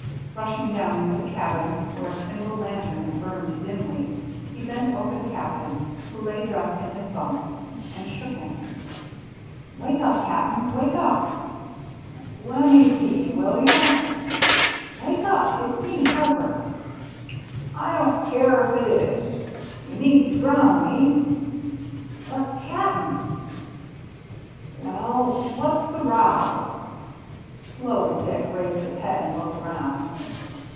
Rushing down into the cabin, where a single lantern burned dimly, he bent over the Captain, who lay dressed in his bunk, and shook him. " Wake up, Cap'n, wake up !"" Lemme be, will you ?"" Wake up ! It's me — Harper." BURNT COVE 127 " I don*t care if it is. You needn't drown me." " But, Cap'n !" "Well, what's the row?" Slowly Dick raised his head and looked around.